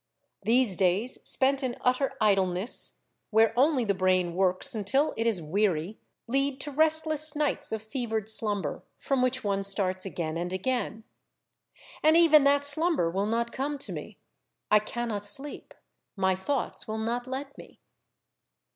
These days spent in utter idleness, where only the brain works until it is weary, lead to restless nights of fevered slumber, from which one starts again and again. And even that slumber will not come to me. I cannot sleep ; my thoughts will not let me.